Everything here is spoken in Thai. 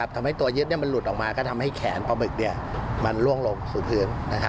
ทำให้ตัวยึดมันหลุดออกมาก็ทำให้แขนปลาบึกมันล่วงลงสู่พื้น